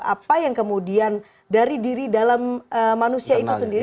apa yang kemudian dari diri dalam manusia itu sendiri